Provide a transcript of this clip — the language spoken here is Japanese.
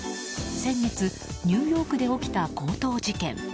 先月、ニューヨークで起きた強盗事件。